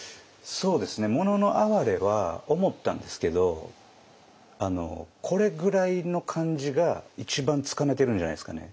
そうですね「もののあはれ」は思ったんですけどこれぐらいの感じが一番つかめてるんじゃないですかね。